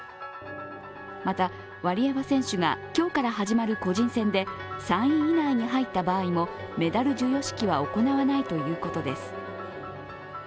またワリエワ選手が今日から始まる個人戦で３位以内に入った場合もメダル授与式は行わないということです。